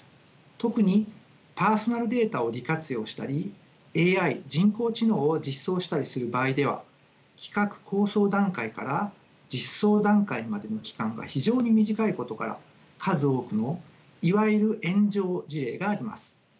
特にパーソナルデータを利活用したりＡＩ人工知能を実装したりする場合では企画構想段階から実装段階までの期間が非常に短いことから数多くのいわゆる炎上事例があります。